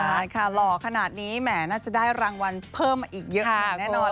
ใช่ค่ะหล่อขนาดนี้แหมน่าจะได้รางวัลเพิ่มมาอีกเยอะอย่างแน่นอน